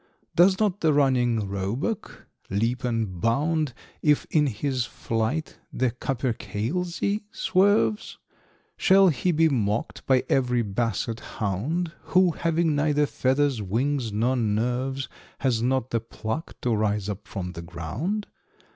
`Does not the running Roebuck leap and bound If in his flight the Capercailzie swerves, `Shall he be mocked by every Basset hound Who, having neither feathers, wings, nor nerves, `Has not the pluck to rise up from the ground?